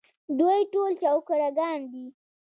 دوی ټول چوکره ګان دي.